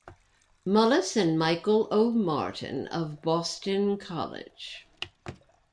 Mullis and Michael O. Martin of Boston College.